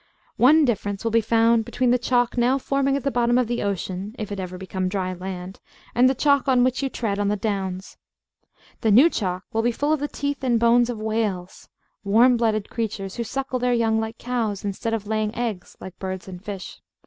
One difference will be found between the chalk now forming at the bottom of the ocean, if it ever become dry land, and the chalk on which you tread on the downs. The new chalk will be full of the teeth and bones of whales warm blooded creatures, who suckle their young like cows, instead of laying eggs, like birds and fish.